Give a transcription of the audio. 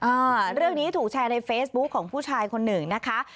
อ่าเรื่องนี้ถูกแชร์ในเฟซบุ๊คของผู้ชายคนหนึ่งนะคะ